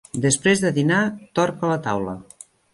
Després de dinar torca la taula.